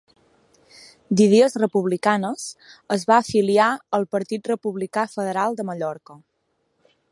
D'idees republicanes, es va afiliar al Partit Republicà Federal de Mallorca.